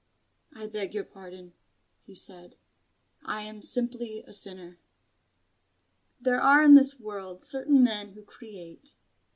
"I beg your pardon," he said, "I am simply a sinner." There are in this world certain men who create.